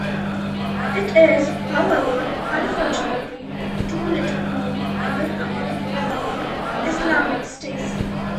It is, however, unfortunately too little known even among Islamicists.